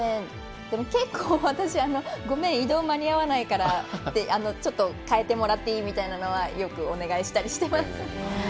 私、結構ごめん、移動間に合わないからってちょっと代えてもらっていい？みたいなのはよくお願いしたりしてます。